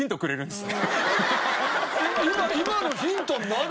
今のヒントになる？